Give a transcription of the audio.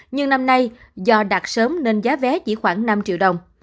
nhưng năm nay do đạt sớm nên giá vé chỉ khoảng năm triệu đồng